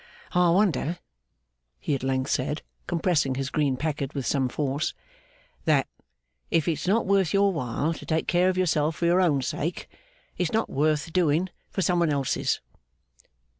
'I wonder,' he at length said, compressing his green packet with some force, 'that if it's not worth your while to take care of yourself for your own sake, it's not worth doing for some one else's.